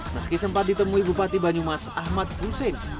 meski sempat ditemui bupati banyumas ahmad hussein